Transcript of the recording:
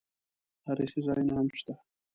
تاریخي ځایونه هم شته.